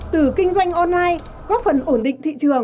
từ kinh doanh online góp phần ổn định thị trường